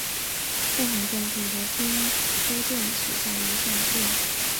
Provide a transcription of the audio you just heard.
凤凰镇是新洲区下属的一个镇。